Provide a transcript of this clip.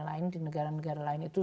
lain di negara negara lain itu